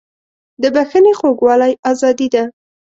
د بښنې خوږوالی ازادي ده.